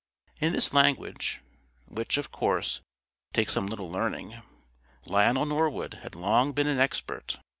In this language which, of course, takes some little learning Lionel Norwood had long been an expert.